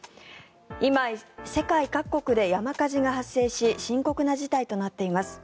今、世界各国で山火事が発生し深刻な事態となっています。